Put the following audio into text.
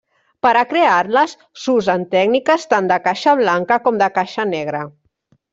Per a crear-les, s'usen tècniques tant de caixa blanca com de caixa negra.